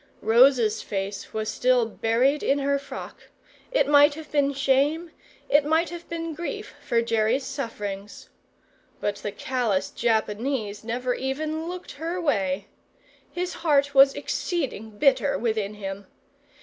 Rosa's face was still buried in her frock; it might have been shame, it might have been grief for Jerry's sufferings. But the callous Japanese never even looked her way. His heart was exceeding bitter within him.